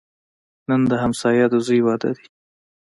نن د همسایه د زوی واده دی